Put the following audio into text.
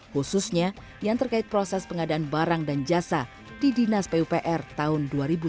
khususnya yang terkait proses pengadaan barang dan jasa di dinas pupr tahun dua ribu sembilan belas